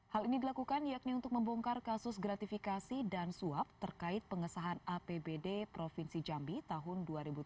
hal ini dilakukan yakni untuk membongkar kasus gratifikasi dan suap terkait pengesahan apbd provinsi jambi tahun dua ribu tujuh belas